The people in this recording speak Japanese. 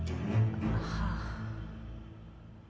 はあ。